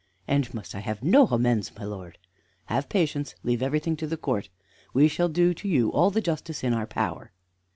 "And must I have no amends, my lord?" "Have patience; leave everything to the court. We shall do you all the justice in our power."